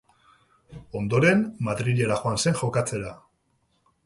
Ondoren, Madrilera joan zen jokatzera.